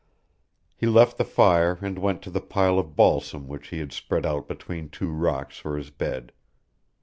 He left the fire and went to the pile of balsam which he had spread out between two rocks for his bed.